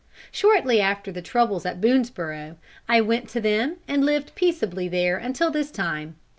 Shortly after the troubles at Boonesborough, I went to them and lived peaceably there until this time.